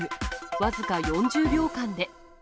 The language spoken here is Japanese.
僅か４０秒間で。